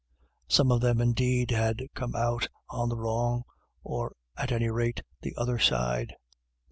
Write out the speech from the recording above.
Some of them, indeed, had come out on the wrong, or at any rate, the other side.